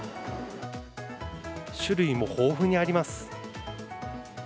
種類も豊富にあります。